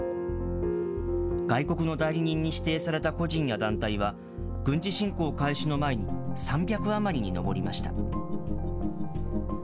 外国の代理人に指定された個人や団体は、軍事侵攻開始の前に３００余りに上りました。